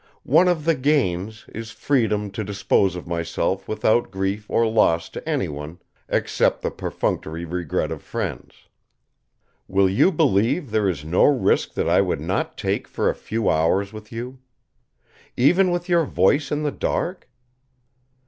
One of the gains is freedom to dispose of myself without grief or loss to anyone, except the perfunctory regret of friends. Will you believe there is no risk that I would not take for a few hours with you? Even with your voice in the dark?